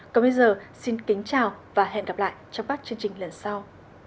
còn bây giờ xin kính chào và hẹn gặp lại trong các chương trình lần sau